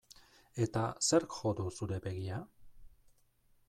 Eta zerk jo du zure begia?